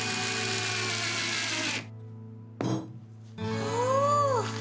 おお！